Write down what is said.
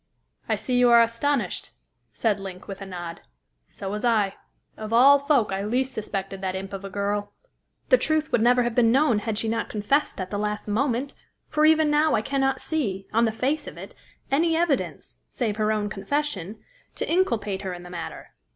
"I see you are astonished," said Link, with a nod; "so was I. Of all folk, I least suspected that imp of a girl. The truth would never have been known, had she not confessed at the last moment; for even now I cannot see, on the face of it, any evidence save her own confession to inculpate her in the matter.